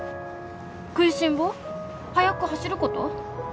食いしん坊？速く走ること？